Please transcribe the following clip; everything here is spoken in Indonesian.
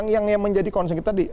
yang menjadi konsekuensi tadi